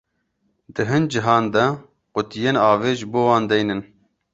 Di hin cihan de qutiyên avê ji bo wan deynin.